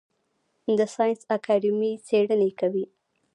د ساینس اکاډمي څیړنې کوي